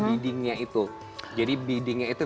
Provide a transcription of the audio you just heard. bidingnya itu jadi biddingnya itu